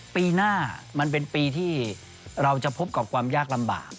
ปีหน้ามันเป็นปีที่เราจะพบกับความยากลำบาก